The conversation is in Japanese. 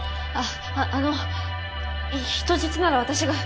ああの人質なら私が。